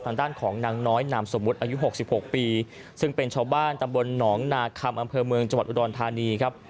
ทางด้านของนางน้อยนามสมมุติอายุ๖๖ปีซึ่งเป็นชาวบ้านตำบลหนองนาคำอำเภอเมืองจังหวัดอุดรธานีครับ